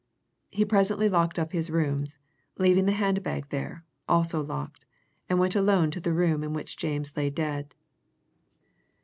He presently locked up his rooms, leaving the hand bag there, also locked, and went alone to the room in which James lay dead.